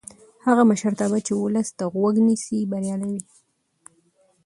هغه مشرتابه چې ولس ته غوږ نیسي بریالی وي